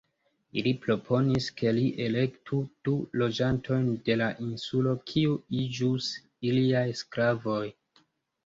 Ili proponis ke li elektu du loĝantojn de la insulo, kiu iĝus liaj sklavoj.